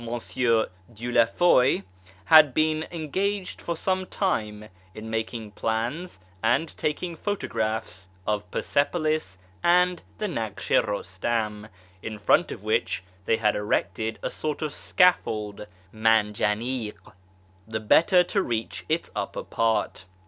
Dieulafoy) had been engaged for some time in making plans and taking photographs of Persepolis and the Naksh i Eustam, in front of which they had erected a sort of scaffold {manjanik), the better to reach its upper part.